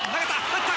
打った！